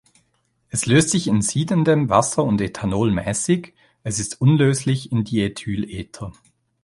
Es löst sich in siedendem Wasser und Ethanol mäßig, es ist unlöslich in Diethylether.